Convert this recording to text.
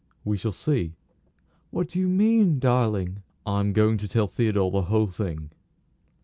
"We shall see." "What do you mean, darling?" "I am going to tell Theodore the whole thing."